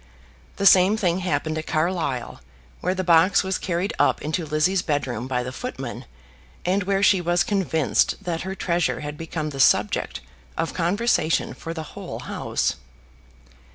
The same thing happened at Carlisle, where the box was carried up into Lizzie's bedroom by the footman, and where she was convinced that her treasure had become the subject of conversation for the whole house.